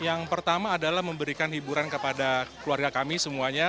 yang pertama adalah memberikan hiburan kepada keluarga kami semuanya